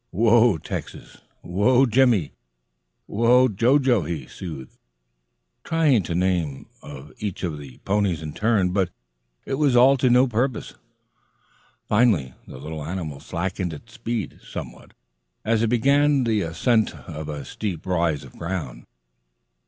"Whoa, Texas! Whoa, Jimmie! Whoa, Jo Jo!" he soothed, trying the name of each of the ponies in turn. But it was all to no purpose. Finally, the little animal slackened its speed, somewhat, as it began the ascent of a steep rise of ground.